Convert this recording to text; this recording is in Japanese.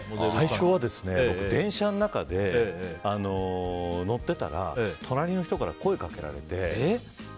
最初は電車の中で乗ってたら隣の人から声掛けられて。